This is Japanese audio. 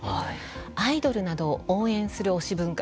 アイドルなどを応援する推し文化。